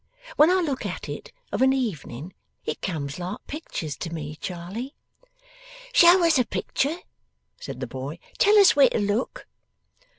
When I look at it of an evening, it comes like pictures to me, Charley.' 'Show us a picture,' said the boy. 'Tell us where to look.